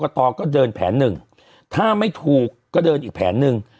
ตอก็เดินแผนหนึ่งถ้าไม่ถูกก็เดินอีกแผนหนึ่ง